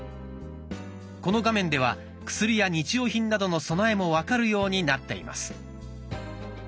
この画面では薬や日用品などの備えも分かるようになっています。